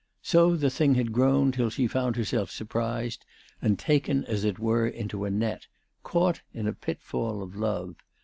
So the thing had grown till she had found herself surprised, and taken, as it were, into a net, caught in a pitfall of love.